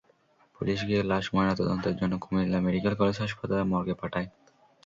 Police গিয়ে লাশ ময়নাতদন্তের জন্য কুমিল্লা মেডিকেল কলেজ হাসপাতালের মর্গে পাঠায়।